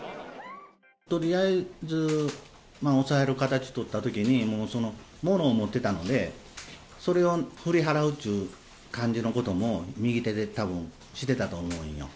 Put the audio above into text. とりあえず、押さえる形取ったときに、物を持ってたので、それを振り払う感じのことも右手でたぶんしてたと思うんよ。